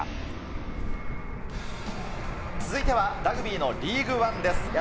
続いてはラグビーのリーグワンです。